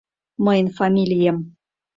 Мыйын фамилием.